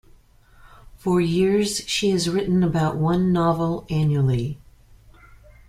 For years she has written about one novel annually.